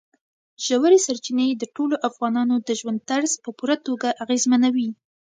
ژورې سرچینې د ټولو افغانانو د ژوند طرز په پوره توګه اغېزمنوي.